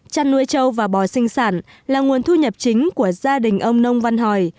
chăn nuôi trâu và bò sinh sản là nguồn thu nhập chính của gia đình ông nông văn hỏi